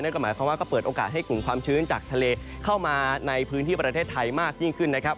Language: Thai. ก็หมายความว่าก็เปิดโอกาสให้กลุ่มความชื้นจากทะเลเข้ามาในพื้นที่ประเทศไทยมากยิ่งขึ้นนะครับ